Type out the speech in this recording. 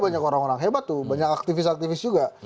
banyak orang orang hebat tuh banyak aktivis aktivis juga